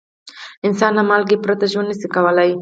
انسان له مالګې پرته ژوند نه شي کولای.